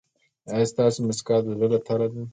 ایا ستاسو مسکا د زړه له تله ده؟